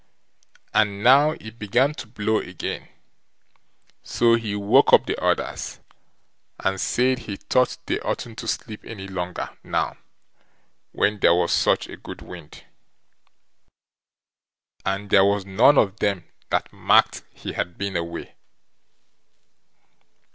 And now it began to blow again, so he woke up the others and said he thought they oughtn't to sleep any longer now when there was such a good wind. And there was none of them that marked he had been away.